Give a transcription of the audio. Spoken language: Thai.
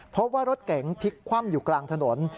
พบว่ารถเก๋งพลิกคว่ำอยู่กลางถนน